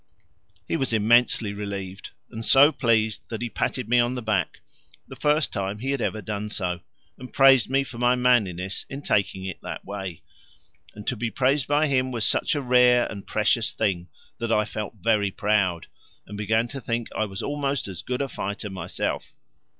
He was immensely relieved, and so pleased that he patted me on the back the first time he had ever done so and praised me for my manliness in taking it that way; and to be praised by him was such a rare and precious thing that I felt very proud, and began to think I was almost as good as a fighter myself.